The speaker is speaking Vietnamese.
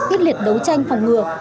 ít liệt đấu tranh phòng ngừa